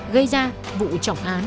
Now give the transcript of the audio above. gây ra vụ trọng án